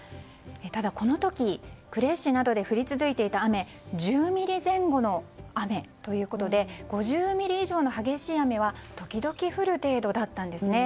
ただ、この時呉市などで降り続いていた雨１０ミリ前後の雨ということで５０ミリ以上の激しい雨は時々降る程度だったんです。